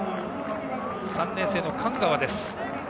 ３年生の寒川です。